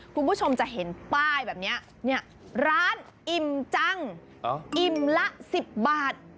คุณผู้ชมจะเห็นป้ายแบบนี้เนี่ยร้านอิ่มจังอิ่มละ๑๐บาท